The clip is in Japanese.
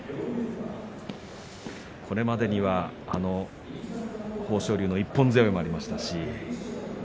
これまでには豊昇龍の一本背負いもありましたし